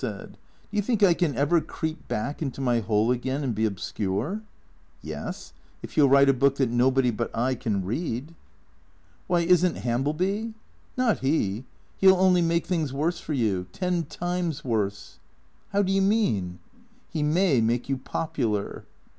Do you think I can ever creep back into my hole again and be obscure ?"" Yes, if you '11 write a book that nobody but I can read." 124 THECREATOES "Why, isn't Hambleby " Not he. He '11 only make things worse for you. Ten times worse," " How do you mean ?"" He may make you popular."